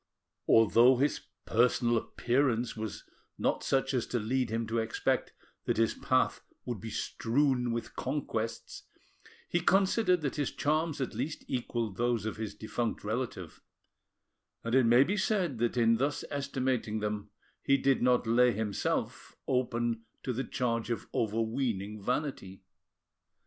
Although his personal appearance was not such as to lead him to expect that his path would be strewn with conquests, he considered that his charms at least equalled those of his defunct relative; and it may be said that in thus estimating them he did not lay himself—open to the charge of overweening vanity.